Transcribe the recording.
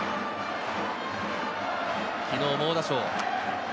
昨日、猛打賞。